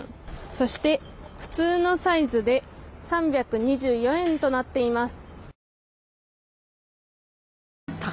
そして普通のサイズで３２４円となっています。